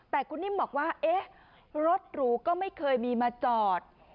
แต่คุณนิ่มบอกว่าเอ๊ะรถหรูก็ไม่เคยมีมาจอด